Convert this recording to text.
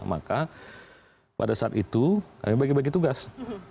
maka pada saat itu kami bagi bagi tugas